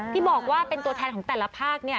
ที่บอกว่าเป็นตัวแทนของแต่ละภาค